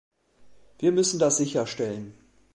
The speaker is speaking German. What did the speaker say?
Wir müssen das sicherstellen.